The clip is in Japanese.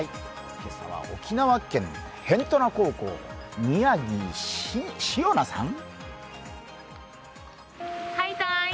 今朝は沖縄県の辺土名高校、宮城汐凪さん。